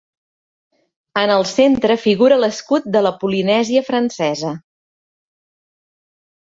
En el centre figura l'escut de la Polinèsia Francesa.